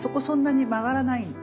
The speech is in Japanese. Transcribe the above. そんなに曲がらない。